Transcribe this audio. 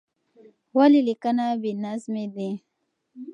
ولې لیکنه بې نظمې ده؟